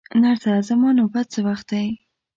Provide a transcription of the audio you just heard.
نرسه، زما نوبت څه وخت دی؟